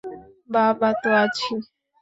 বাবা তো আছি।